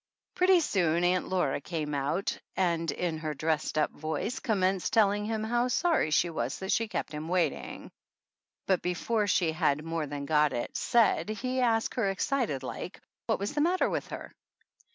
Pretty soon Aunt Laura came out, and in her dressed up voice commenced telling him how sorry she was that she kept him waiting. But 64 THE ANNALS OF ANN before she had more than got it said he asked her excited like what was the matter with her.